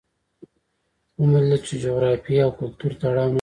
ومو لیدل چې جغرافیې او کلتور تړاو نه لري.